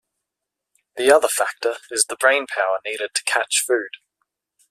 The other factor is the brain power needed to catch food.